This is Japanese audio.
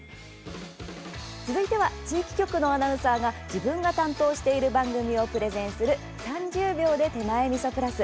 続いては地域局のアナウンサーが自分が担当している番組をプレゼンする「３０秒で手前みそプラス」。